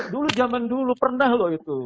dulu zaman dulu pernah loh itu